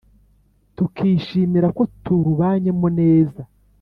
tukishimira ko turubanyemo neza